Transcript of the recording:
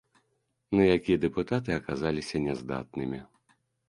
На які дэпутаты аказаліся няздатнымі.